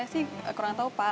rasanya kali saja pegang obatnya